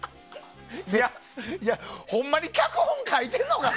ほんまに脚本書いてるのか？